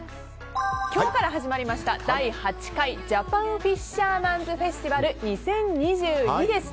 今日から始まりました第８回ジャパンフィッシャーマンズフェスティバル２０２２です。